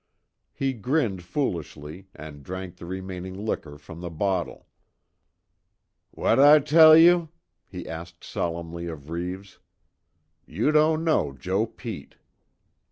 He grinned foolishly, and drank the remaining liquor from the bottle. "Whad' I tell you?" he asked solemnly of Reeves. "You don't know Joe Pete."